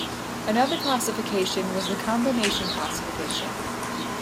Another classification was the combination classification.